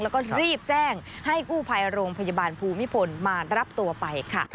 แล้วก็รีบแจ้งให้กู้ภัยโรงพยาบาลภูมิพลมารับตัวไปค่ะ